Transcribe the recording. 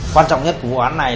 quan trọng nhất của vụ án này